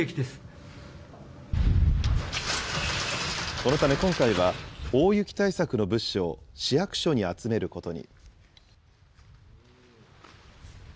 このため、今回は、大雪対策の物資を市役所に集めることに。